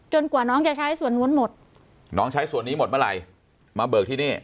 กว่าน้องจะใช้ส่วนนู้นหมดน้องใช้ส่วนนี้หมดเมื่อไหร่มาเบิกที่นี่